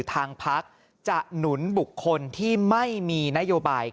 ทางพักจะหนุนบุคคลที่ไม่มีนโยบาย